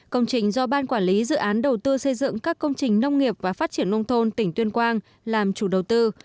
công trình do ban quản lý dự án đầu tư xây dựng các công trình nông nghiệp và phát triển nông thôn tỉnh tuyên quang làm chủ đầu tư